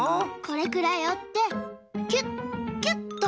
これくらいおってキュッキュッと。